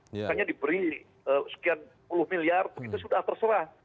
misalnya diberi sekian sepuluh miliar itu sudah terserah